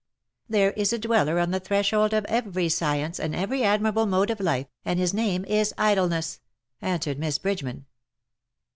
"" There is a dweller on the threshold of every science and every admirable mode of life, and his name is Idleness,'' answered Miss Bridgeman.